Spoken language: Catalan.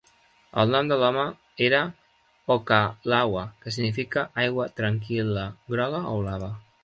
El nom de l'home era "Oka-laua", que significa aigua tranquil·la groga o blava.